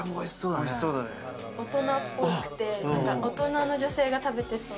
大人っぽくて、大人の女性が食べてそう。